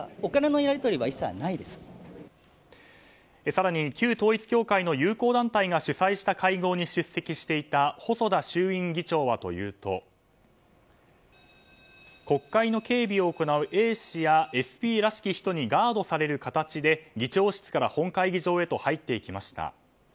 更に旧統一教会の友好団体が主催した会合に出席していた細田衆院議長はというと国会の警備を行う衛視やＳＰらしき人にガードされる形で議長室から本会議場へと入っていきました。